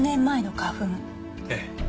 ええ。